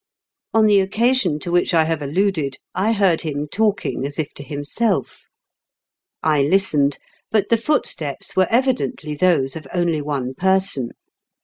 On the occasion to which I have alluded I heard him talking, as if to himsel£ I listened ; but the footsteps were evidently those of only one person.